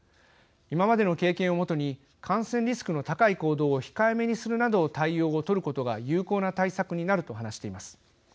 今までの経験を元に感染リスクの高い行動を控えめにするなどの対応を取ることが有効な対策になる」と話しています。